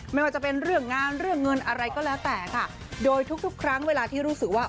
ไม่ว่าจะเป็นเรื่องงานเรื่องเงินอะไรก็แล้วแต่ค่ะโดยทุกทุกครั้งเวลาที่รู้สึกว่า